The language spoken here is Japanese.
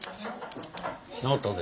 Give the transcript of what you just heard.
直ったで。